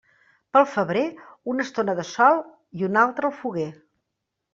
Pel febrer, una estona de sol i una altra al foguer.